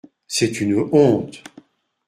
C’est une honte.